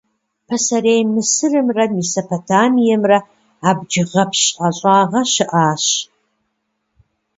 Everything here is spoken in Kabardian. Пасэрей Мысырымрэ Месопотамиемрэ абджгъэпщ ӀэщӀагъэ щыӀащ.